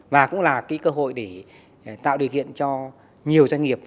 và cũng là cái cơ hội để tạo điều kiện cho nhiều doanh nghiệp